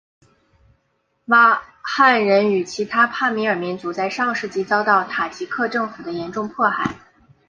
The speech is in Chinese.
瓦罕人与其他帕米尔民族在上世纪遭到塔吉克政府的严重迫害。